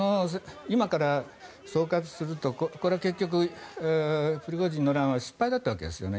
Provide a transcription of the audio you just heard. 今から総括すると結局、プリゴジンの乱は失敗だったわけですよね。